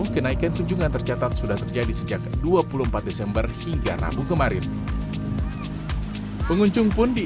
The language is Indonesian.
kenaikan kunjungan tercatat sudah terjadi sejak dua puluh empat desember hingga rabu kemarin pengunjung pun di